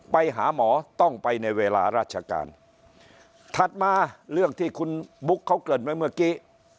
ไปหาหมอต้องไปในเวลาราชการถัดมาเรื่องที่คุณบุ๊คเขาเกิดไว้เมื่อกี้